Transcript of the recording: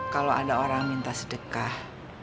kalau ada orang minta sedekah